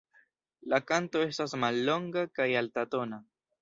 La kanto estas mallonga kaj altatona.